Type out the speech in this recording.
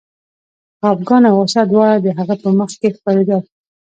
خپګان او غوسه دواړه د هغه په مخ کې ښکارېدل